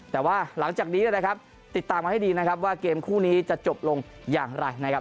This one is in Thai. แต่ว่าหลังจากนี้นะครับติดตามมาให้ดีนะครับว่าเกมคู่นี้จะจบลงอย่างไรนะครับ